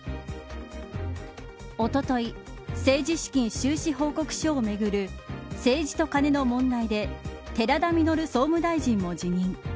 おととい政治資金収支報告書をめぐる政治とカネの問題で寺田稔総務大臣も辞任。